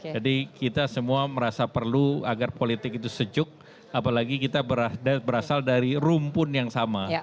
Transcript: jadi kita semua merasa perlu agar politik itu sejuk apalagi kita berasal dari rumpun yang sama